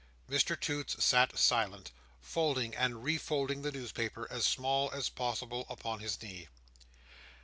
Mr Toots sat silent: folding and refolding the newspaper as small as possible upon his knee.